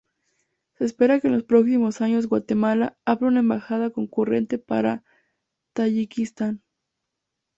Se espera que en los próximos años Guatemala abra una embajada concurrente para Tayikistán.